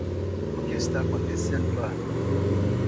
O que está acontecendo lá?